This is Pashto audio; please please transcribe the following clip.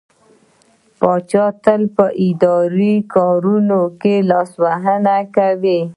پاچا تل په اداري کارونو کې لاسوهنه کوي.